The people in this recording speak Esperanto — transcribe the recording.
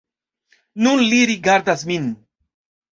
Nun li rigardas min!